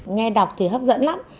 nghe đọc thì hấp dẫn lắm